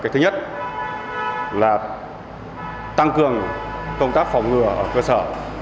thứ nhất là tăng cường công tác phòng ngừa ở cơ sở